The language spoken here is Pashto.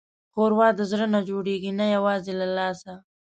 ښوروا د زړه نه جوړېږي، نه یوازې له لاسه.